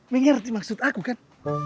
mengerti maksud aku kan